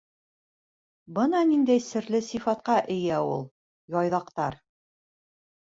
Бына ниндәй серле сифатҡа эйә ул Яйҙаҡтар.